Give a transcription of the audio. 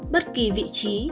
bất kỳ vị trí